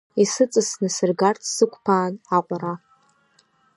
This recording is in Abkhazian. Исыҵасны, сыргарц сықәԥаан аҟәара.